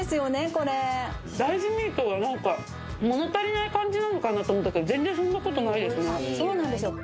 これ大豆ミートが何か物足りない感じなのかなと思ったけど全然そんなことないですねそうなんですよ